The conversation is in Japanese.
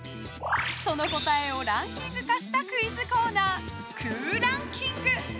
その答えをランキング化したクイズコーナー、空欄キング。